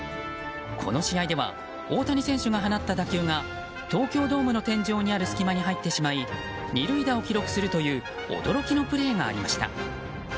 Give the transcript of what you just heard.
この試合では大谷選手が放った打球が東京ドームの天井にある隙間に入ってしまい２塁打を記録するという驚きのプレーがありました。